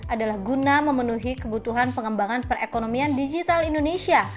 adalah guna memenuhi kebutuhan pengembangan perekonomian digital indonesia